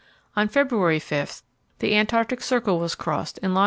On February 5 the Antarctic Circle was crossed in long.